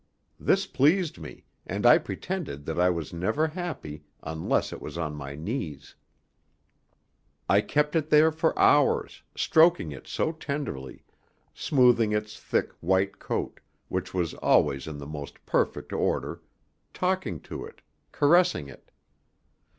This pleased me, and I pretended that I was never happy unless it was on my knees. I kept it there for hours, stroking it so tenderly, smoothing its thick white coat, which was always in the most perfect order, talking to it, caressing it.